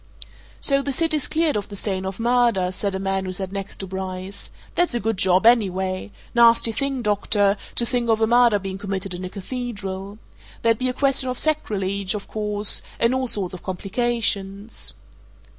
"So the city's cleared of the stain of murder!" said a man who sat next to Bryce. "That's a good job, anyway! Nasty thing, doctor, to think of a murder being committed in a cathedral. There'd be a question of sacrilege, of course and all sorts of complications."